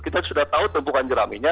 kita sudah tahu tumpukan jeraminya